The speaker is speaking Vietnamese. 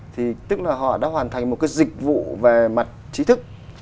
thì tức là họ đã hoàn thành một cái dịch vụ về mặt trí thức